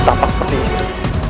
tampak seperti itu